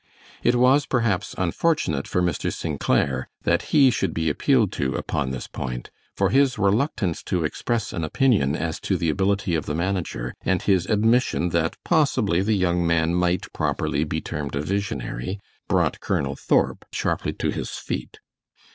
It was, perhaps, unfortunate for Mr. St. Clair that he should be appealed to upon this point, for his reluctance to express an opinion as to the ability of the manager, and his admission that possibly the young man might properly be termed a visionary, brought Colonel Thorp sharply to his feet.